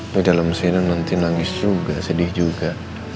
di dalam sini nanti nangis juga sedih juga